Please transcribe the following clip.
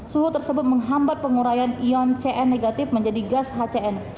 suhu tersebut menghambat penguraian ion cn negatif menjadi gas hcn